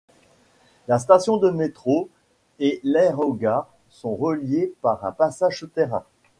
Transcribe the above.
La station de métro et l'aérogare sont reliées par un passage souterrain.